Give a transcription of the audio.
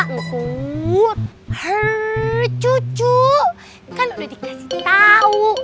bangkut cucu kan udah dikasih tau